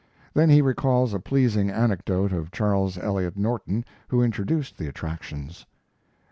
Then he recalls a pleasing anecdote of Charles Eliot Norton, who introduced the attractions.